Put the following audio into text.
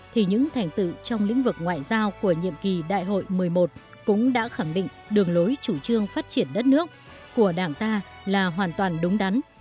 thì những thành tựu trong lĩnh vực ngoại giao của nhiệm kỳ đại hội một mươi một cũng đã khẳng định đường lối chủ trương phát triển đất nước của đảng ta là hoàn toàn đúng đắn